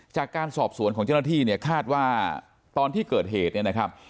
จากการสอบสวนของเจ้าหน้าที่เนี่ยคาดว่าตอนที่เกิดเหตุเนี่ยนะครับ